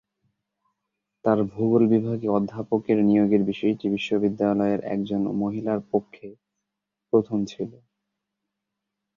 তার ভূগোল বিভাগে অধ্যাপকের নিয়োগের বিষয়টি বিশ্ববিদ্যালয়ের একজন মহিলার পক্ষে প্রথম ছিল।